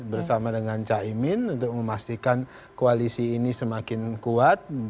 bersama dengan caimin untuk memastikan koalisi ini semakin kuat